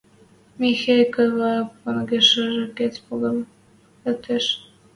Михей кыва понгышыжы гӹц пумагам лыктеш.